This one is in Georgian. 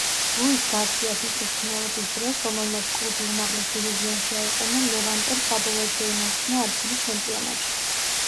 ლუის გარსიას მწვრთნელობის დროს, რომელმაც კლუბი უმაღლეს დივიზიონში აიყვანა, „ლევანტემ“ საბოლოოდ შეინარჩუნა ადგილი ჩემპიონატში.